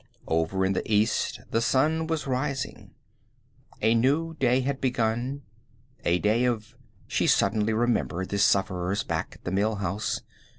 Over in the east the sun was rising. A new day had begun, a day of She suddenly remembered the sufferers back at the Mill House.